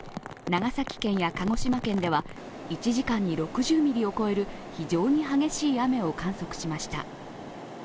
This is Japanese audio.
長崎県や鹿児島県では１時間に６０ミリを超える非常に激しい雨を観測しました。